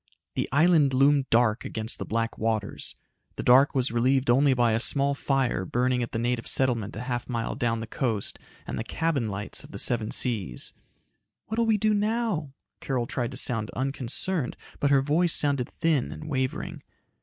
The island loomed dark against the black waters. The dark was relieved only by a small fire burning at the native settlement a half mile down the coast, and the cabin lights of the Seven Seas. "What will we do now?" Carol tried to sound unconcerned, but her voice sounded thin and wavering.